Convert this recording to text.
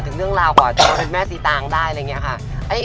ถึงเรื่องราวก่อจะทำให้แม่สิตางค์ได้